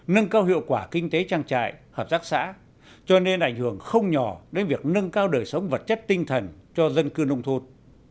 nâng cao hiệu quả kinh tế trang trại hợp tác xã cho nên ảnh hưởng không nhỏ đến việc nâng cao đời sống vật chất tinh thần cho dân cư nông thôn